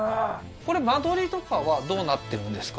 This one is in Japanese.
これ間取りとかはどうなってるんですか？